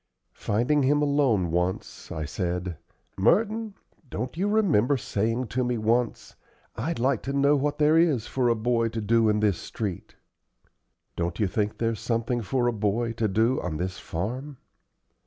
Finding him alone once, I said: "Merton, don't you remember saying to me once, 'I'd like to know what there is for a boy to do in this street'? Don't you think there's something for a boy to do on this farm?"